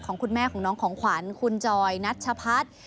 คุณแม่ของน้องของขวัญคุณจอยนัชพัฒน์